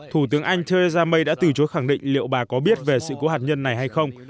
thủ tướng anh theresa may đã từ chối khẳng định liệu bà có biết về sự cố hạt nhân này hay không